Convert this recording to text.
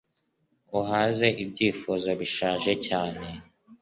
Uhaze ibyifuzo bishaje cyane;